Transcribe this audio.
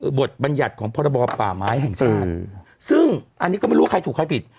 บทบัญญัติของพรบป่าไม้แห่งชาติซึ่งอันนี้ก็ไม่รู้ว่าใครถูกใครผิด